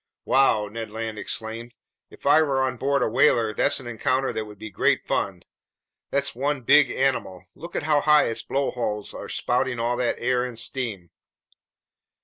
"Wow!" Ned Land exclaimed. "If I were on board a whaler, there's an encounter that would be great fun! That's one big animal! Look how high its blowholes are spouting all that air and steam!